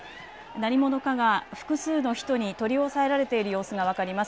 何者かが複数の人に取り押さえられている様子が分かります。